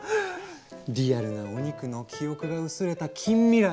リアルなお肉の記憶が薄れた近未来